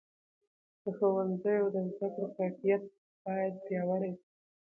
د ښوونځیو د زده کړو کیفیت باید پیاوړی سي.